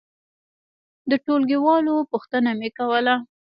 د ټولګي والو پوښتنه مې کوله.